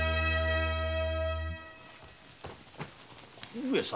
上様！